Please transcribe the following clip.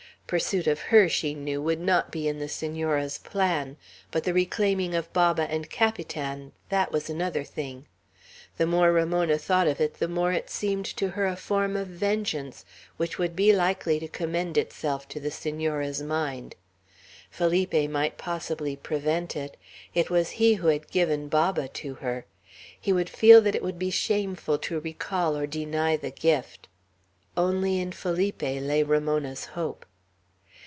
Pursuit of her, she knew, would not be in the Senora's plan; but the reclaiming of Baba and Capitan, that was another thing. The more Ramona thought of it, the more it seemed to her a form of vengeance which would be likely to commend itself to the Senora's mind. Felipe might possibly prevent it. It was he who had given Baba to her. He would feel that it would be shameful to recall or deny the gift. Only in Felipe lay Ramona's hope.